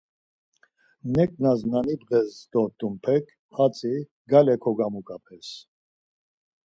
Neǩnas na nibğes dort̆unpek hatzi gale kogamuǩap̌es.